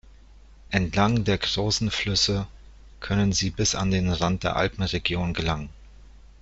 Entlang der großen Flüsse können sie bis an den Rand der Alpenregion gelangen.